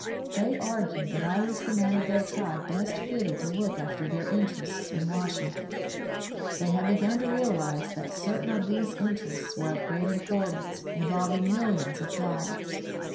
They argued that I was the man of their tribe best fitted to look after their interests at Washington. They had begun to realize that certain of these interests were of great importance, involving millions of dollars.